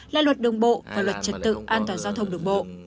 là luật đường bộ và luật trật tự an toàn giao thông đường bộ